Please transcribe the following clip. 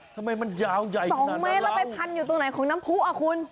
ทำไมมันยาวใหญ่๒เมตรแล้วไปพันอยู่ตรงไหนของน้ำผู้อ่ะคุณ